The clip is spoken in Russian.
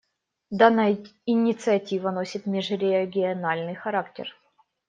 Данная инициатива носит межрегиональный характер.